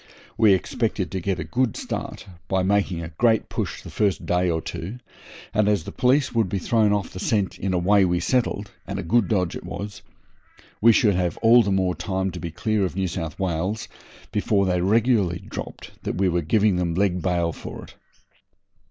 We expected to get a good start by making a great push the first day or two, and, as the police would be thrown off the scent in a way we settled and a good dodge it was we should have all the more time to be clear of New South Wales before they regularly dropped that we were giving them leg bail for it.